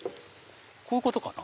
こういうことかな？